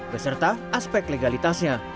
beserta aspek legalitasnya